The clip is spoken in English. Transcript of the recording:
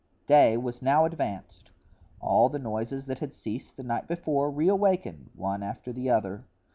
Day was now advanced; all the noises that had ceased the night before reawakened, one after the other.